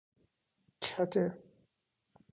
کته